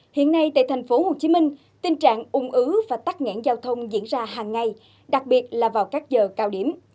hiện nay tại thành phố hồ chí minh tình trạng ung ứ và tắt ngãn giao thông diễn ra hàng ngày đặc biệt là vào các giờ cao điểm